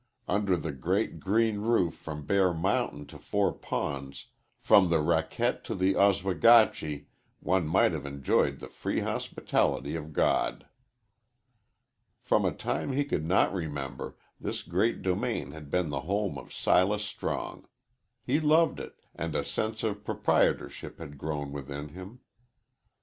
Under the great, green roof from Bear Mountain to Four Ponds, from the Raquette to the Oswegatchie, one might have enjoyed the free hospitality of God. From a time he could not remember, this great domain had been the home of Silas Strong. He loved it, and a sense of proprietorship had grown within him.